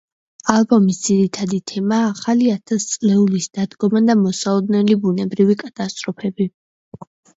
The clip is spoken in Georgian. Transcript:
ალბომის ძირითადი თემაა ახალი ათასწლეულის დადგომა და მოსალოდნელი ბუნებრივი კატასტროფები.